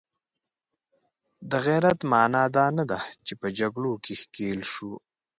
د غیرت معنا دا نه ده چې په جګړو کې ښکیل شو.